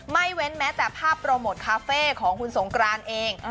เว้นแม้แต่ภาพโปรโมทคาเฟ่ของคุณสงกรานเอง